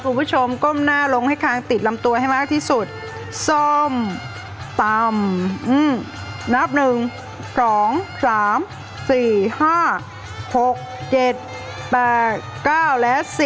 คุณผู้ชมก้มหน้าลงให้คางติดลำตัวให้มากที่สุดส้มตำนับ๑๒๓๔๕๖๗๘๙และ๔